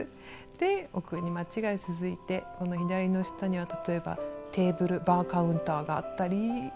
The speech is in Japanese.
で奥に街が続いてこの左の下には例えばテーブルバーカウンターがあったり。